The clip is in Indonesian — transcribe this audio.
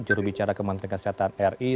jurubicara kementerian kesehatan ri